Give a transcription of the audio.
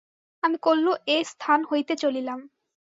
আমি কল্য এস্থান হইতে চলিলাম।